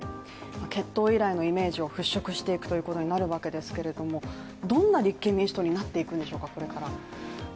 結党以来のイメージを払拭していくということになるわけですがどんな立憲民主党になっていくんでしょうか、これから。